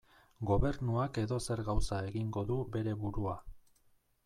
Gobernuak edozer gauza egingo du bere burua.